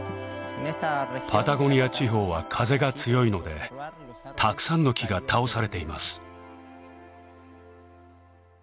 パタゴニア地方は風が強いのでたくさんの木が倒されています